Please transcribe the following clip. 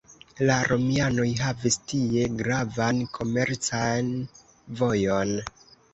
La romianoj havis tie gravan komercan vojon.